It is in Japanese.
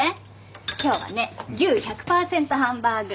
今日はね牛１００％ハンバーグ。